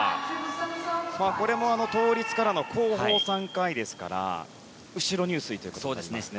これも倒立からの後方３回ですから後ろ入水となります。